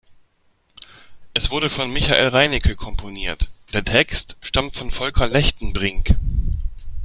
Es wurde von Michael Reinecke komponiert, der Text stammt von Volker Lechtenbrink.